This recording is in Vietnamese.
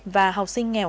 và học sinh nghèo